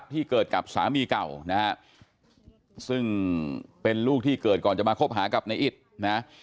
ที่เกิดกับสามีเก่านะฮะซึ่งเป็นลูกที่เกิดก่อนจะมาคบหากับในอิตนะ